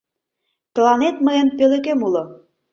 — Тыланет мыйын пӧлекем уло.